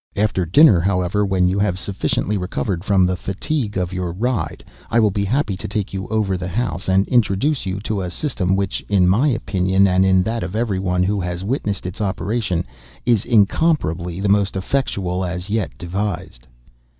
After dinner, however, when you have sufficiently recovered from the fatigue of your ride, I will be happy to take you over the house, and introduce to you a system which, in my opinion, and in that of every one who has witnessed its operation, is incomparably the most effectual as yet devised."